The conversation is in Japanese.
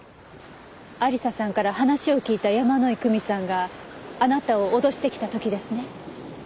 亜理紗さんから話を聞いた山井久美さんがあなたを脅してきた時ですね？